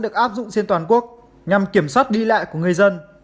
các hạn chế cấp độ ba sẽ được áp dụng trên toàn quốc ngằm kiểm soát đi lẹ của người dân